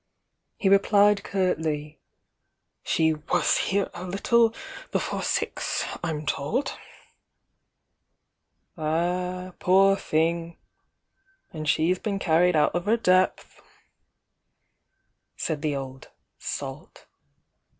He replied curtly: „ "She was here a little before six, I'm told — "Ah poor thing, then she's been carried out of her depVhi"Cki the old "salt."